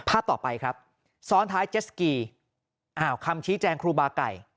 ภาพต่อไปครับซ้อนท้ายเจสกีอ้าวคำชี้แจงครูบาไก่